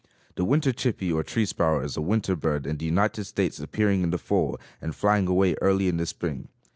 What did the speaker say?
The winter chippy or tree sparrow is a winter bird, in the United States appearing in the fall and flying away early in the spring.